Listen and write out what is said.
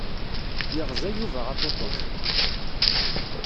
Yeɣza Yuba aṭuṭuc.